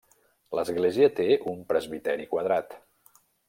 L'església té un presbiteri quadrat.